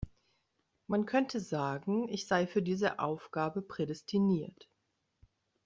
Man könnte sagen, ich sei für diese Aufgabe prädestiniert.